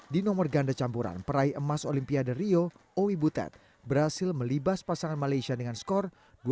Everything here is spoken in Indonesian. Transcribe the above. di nomor ganda campuran peraih emas olimpiade rio owi butet berhasil melibas pasangan malaysia dengan skor dua satu delapan belas dua satu enam belas